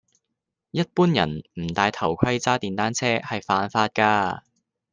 一般人唔戴頭盔揸電單車係犯法㗎